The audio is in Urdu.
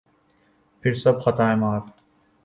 پھر سب خطائیں معاف۔